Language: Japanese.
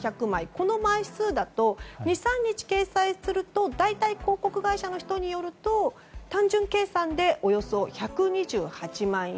この枚数だと２３日掲載すると大体、広告会社の人によると単純計算でおよそ１２８万円。